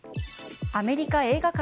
アメリカ映画界